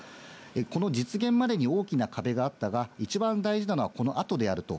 この実現までに大きな壁があったか、一番大事なのはこの後であると。